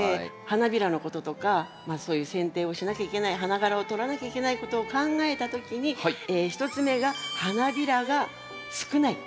花びらのこととかそういうせん定をしなきゃいけない花がらを取らなきゃいけないことを考えた時に１つ目が花びらが少ない。